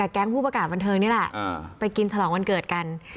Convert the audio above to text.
แก้มผู้ประกาศบรรท์เทิงนี่แหละ